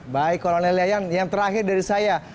baik kolonel yayan yang terakhir dari saya